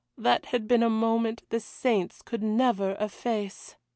that had been a moment the saints could never efface!